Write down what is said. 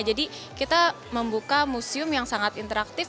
jadi kita membuka museum yang sangat interaktif